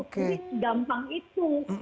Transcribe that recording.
jadi gampang itu